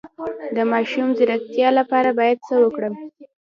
د ماشوم د ځیرکتیا لپاره باید څه وکړم؟